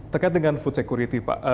terkait dengan food security pak